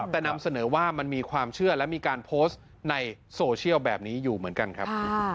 แต่นำเสนอว่ามันมีความเชื่อและมีการโพสต์ในโซเชียลแบบนี้อยู่เหมือนกันครับ